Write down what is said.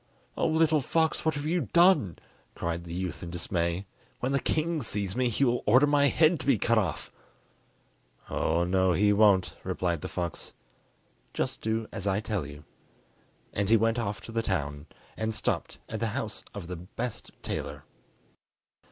"Oh, little fox, what have you done?" cried the youth in dismay; "when the king sees me he will order my head to be cut off." "Oh, no, he won't!" replied the fox; "just do as I tell you." And he went off to the town, and stopped at the house of the best tailor.